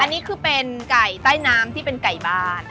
อันนี้คือเป็นไก่ใต้น้ำที่เป็นไก่บ้าน